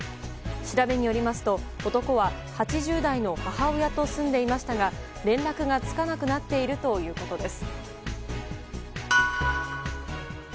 調べによりますと、男は８０代の母親と住んでいましたが連絡がつかなくなっているということです。